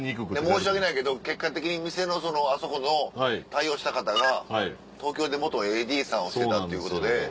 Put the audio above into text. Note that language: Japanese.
申し訳ないけど結果的に店のあそこの対応した方が東京で元ＡＤさんをしてたっていうことで。